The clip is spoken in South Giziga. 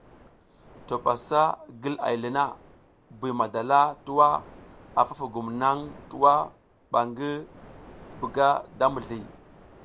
To pasa ngil ay le na, Buy madala twa a fa fugum naŋ twa ɓa ngi buga da mizli.